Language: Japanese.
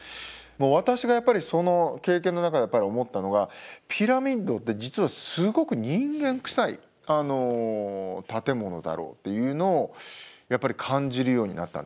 私がやっぱりその経験の中で思ったのがピラミッドって実はすごく人間くさい建物だろうっていうのをやっぱり感じるようになったんですね。